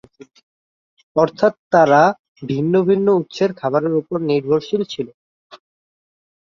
অর্থাৎ; তারা ভিন্ন ভিন্ন উৎসের খাবারের উপর নির্ভরশীল ছিল।